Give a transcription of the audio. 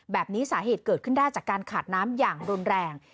แบบนี้สาเหตุเกิดขึ้นได้จากการขาดน้ำอย่างรุนแรง